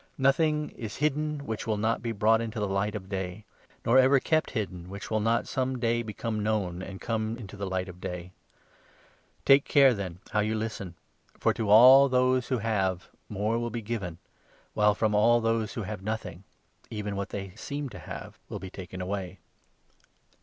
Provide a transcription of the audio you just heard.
Nothing is hidden which will not be brought into 17 the light of day, nor ever kept hidden which will not some day become known and come into the light of day. Take 18 care, then, how you listen. For, to all those who have, more will be given ; while, from all those who have nothing, even what they seem to have will be taken away."